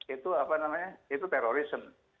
itu apa namanya itu terorisme